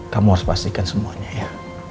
kamu harus pastikan semuanya ya